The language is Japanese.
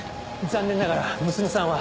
残念ながら娘さんは。